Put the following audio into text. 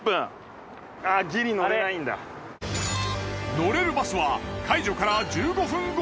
乗れるバスは解除から１５分後！